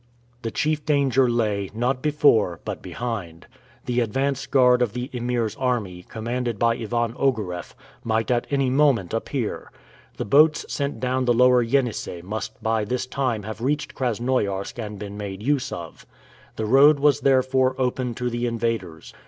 The chief danger lay, not before, but behind. The advance guard of the Emir's army, commanded by Ivan Ogareff, might at any moment appear. The boats sent down the lower Yenisei must by this time have reached Krasnoiarsk and been made use of. The road was therefore open to the invaders.